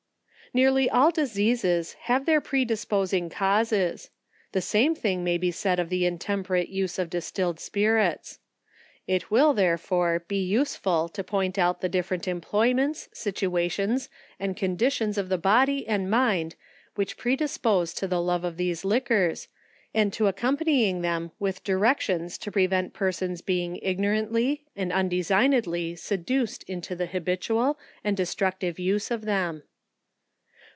Nearly all diseases have their predisposing causes.— The same thing may be said of the intemperate use of distilled spirits. It will, therefore, be useful to point out the different employments, situations, and conditions of the body and mind which predispose to the love of those liquors, and to accompany them with directions to prevent ARDENT SPIRITS, IB persons being ignorantly and undesignedly seduced into the habitual and destructive use of them.